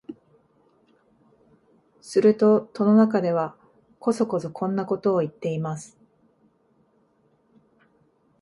すると戸の中では、こそこそこんなことを言っています